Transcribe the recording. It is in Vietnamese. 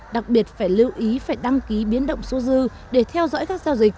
đặc biệt phải lưu ý phải đăng ký biến động số dư để theo dõi các giao dịch